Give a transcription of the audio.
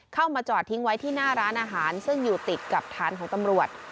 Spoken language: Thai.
เข้ามาจอดทิ้งไว้ที่หน้าร้านอาหารซึ่งอยู่ติดกับฐานของตำรวจ